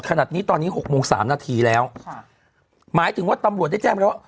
ขนาดนี้ตอนนี้หกโมงสามนาทีแล้วค่ะหมายถึงว่าตำรวจได้แจ้งไปแล้วว่า